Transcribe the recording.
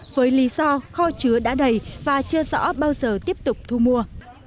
với lý do kho chứa đã đầy và chưa rõ bao giờ tiếp tục thu mua